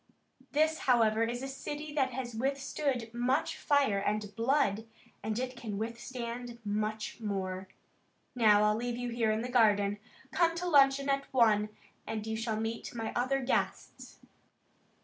"This, however, is a city that has withstood much fire and blood and it can withstand much more. Now I'll leave you here in the garden. Come to luncheon at one, and you shall meet my other guests."